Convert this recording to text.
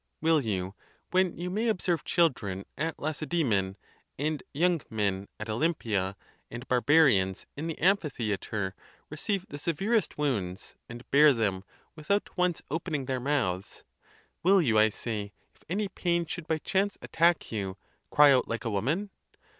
Will you, when you may observe children at Lace dxmon, and young men at Olympia, and barbarians in the amphitheatre, receive the severest wounds, and bear them ~ without once opening their mouths—will you, I say, if any pain should by chance attack you, cry out like a woman?